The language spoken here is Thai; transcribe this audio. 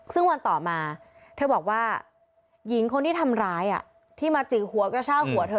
ซึ่งวันต่อมาเธอบอกว่าหญิงคนที่ทำร้ายที่มาจิกหัวกระชากหัวเธอ